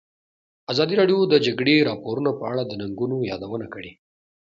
ازادي راډیو د د جګړې راپورونه په اړه د ننګونو یادونه کړې.